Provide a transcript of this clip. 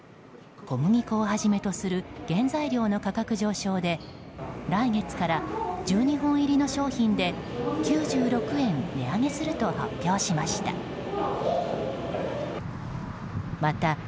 小麦粉をはじめとする原材料の価格上昇で来月から１２本入りの商品で９６円値上げすると発表しました。